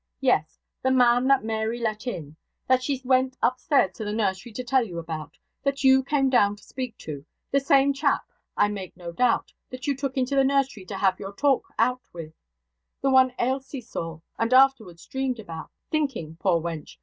'Yes; the man that Mary let in; that she went upstairs to the nursery to tell you about; that you came down to speak to; the same chap, I make no doubt, that you took into the nursery to have your talk out with; the one Ailsie saw, and afterwards dreamed about; thinking, poor wench!